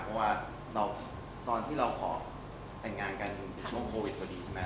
เพราะว่าตอนที่เราขอแต่งงานกันช่วงโควิดพอดีใช่ไหม